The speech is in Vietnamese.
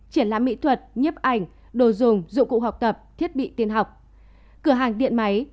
triển lãm mỹ thuật nhếp ảnh đồ dùng dụng cụ học tập thiết bị tiên học cửa hàng điện máy